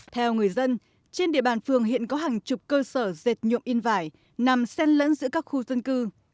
theo người dân trên địa bàn phường hiện có hàng chục cơ sở dệt nhuộm in vải nằm sen lẫn giữa các khu dân cư